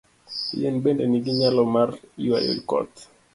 Yien bende nigi nyalo mar ywayo koth.